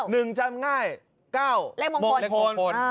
หนึ่งจำง่ายเก้ามงคล